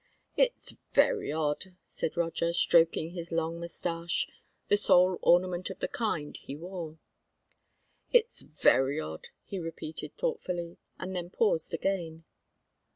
"It's very odd," said Roger, stroking his long mustache, the sole ornament of the kind he wore. "It's very odd," he repeated thoughtfully, and then paused again.